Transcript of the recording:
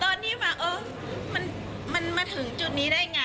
ตอนนี้แบบเออมันมาถึงจุดนี้ได้ไง